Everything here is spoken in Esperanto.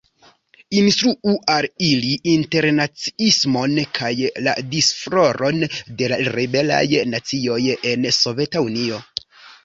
Instruu al ili internaciismon kaj la disfloron de la liberaj nacioj en Soveta Unio.